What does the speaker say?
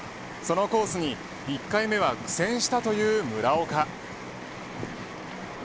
そのコースに、１回目は苦戦したという村岡。